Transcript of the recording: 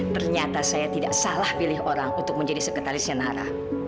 ternyata saya tidak salah pilih orang untuk menjadi sekretarisnya nara